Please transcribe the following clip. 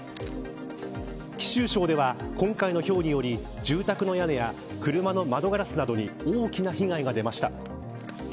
貴州省では、今回のひょうにより住宅の屋根や車の窓ガラスなどに大きな被害が出ました。